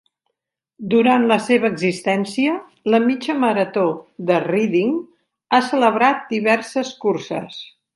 Durant la seva existència, la Mitja Marató de Reading ha celebrat diverses curses.